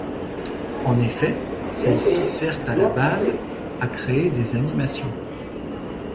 En effet, celle-ci sert à la base à créer des animations.